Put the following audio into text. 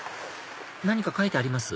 何か書いてあります？